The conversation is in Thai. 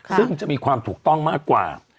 ซึ่งจะมีความถูกต้องมากกว่า